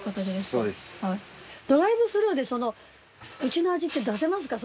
そうですドライブスルーでうちの味って出せますか？